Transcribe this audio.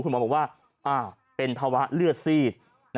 หมอบอกว่าเป็นภาวะเลือดซีด